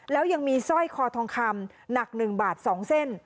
แล้วยังมีสร้อยคอทองคำหนัก๑บาท๒เส้น